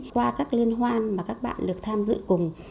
qua các liên hoan mà các bạn được tham dự cùng